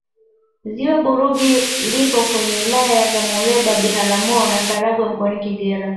ziwa burigi lipo kwenye wilaya za muleba biharamulo na karagwe mkoani kagera